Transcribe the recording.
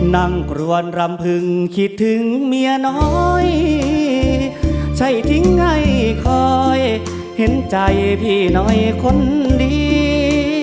กรวนรำพึงคิดถึงเมียน้อยใช่ทิ้งให้คอยเห็นใจพี่น้อยคนดี